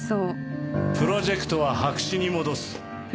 プロジェクトは白紙に戻す。